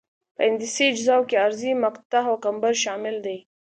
په هندسي اجزاوو کې عرضي مقطع او کمبر شامل دي